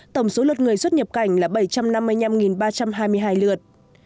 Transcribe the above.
tổng số lượt người xuất nhập cảnh là bảy trăm năm mươi năm ba trăm hai mươi hai lượt